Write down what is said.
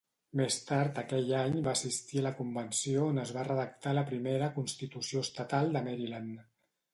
Més tard aquell any va assistir a la Convenció on es va redactar la primera constitució estatal de Maryland.